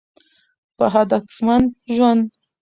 په هدفمند ژوند